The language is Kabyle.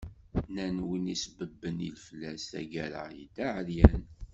Nnan wi isebbeben i leflas, tagara yedda εeryan.